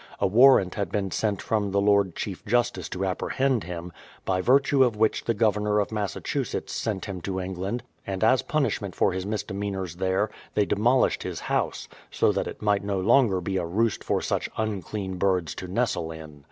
A warrant had been sent from the Lord Chief Justice to apprehend him, by virtue of which the Governor of Massachusetts sent him to England; and as punishment for his misdemeanours there, they demolished his house, so that it might no longer be a roost for such unclean birds to nestle in.